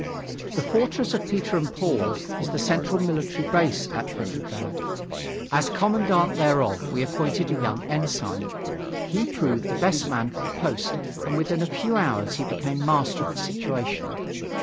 The Fortress of Peter and Paul is the central military base of Petrograd. As commandant thereof we appointed a young ensign. He proved the best man for the post and within a few hours he became master of the situation.